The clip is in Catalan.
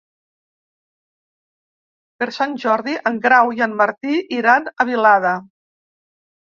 Per Sant Jordi en Grau i en Martí iran a Vilada.